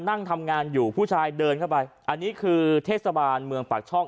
นั่งทำงานอยู่ผู้ชายเดินเข้าไปอันนี้คือเทศบาลเมืองปากช่อง